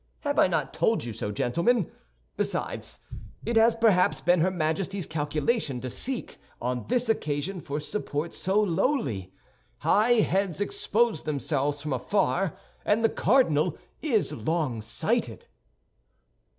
Have I not told you so, gentlemen? Besides, it has perhaps been her Majesty's calculation to seek on this occasion for support so lowly. High heads expose themselves from afar, and the cardinal is longsighted."